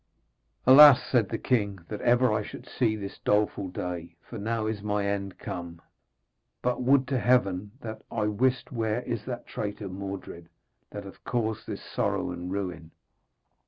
'Alas,' said the king, 'that ever I should see this doleful day, for now is my end come. But would to Heaven that I wist where is that traitor Mordred, that hath caused all this sorrow and ruin.'